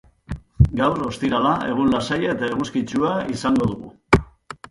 Gaur, ostirala, egun lasaia eta eguzkitsua izango dugu.